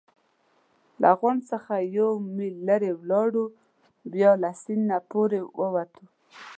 له غونډ څخه یو میل لرې ولاړو، بیا له سیند نه پورې ووتو.